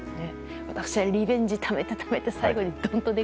私はリベンジでためてためてドンと。